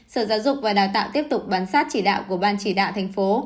sở giáo dục và đào tạo tiếp tục bám sát chỉ đạo của ban chỉ đạo thành phố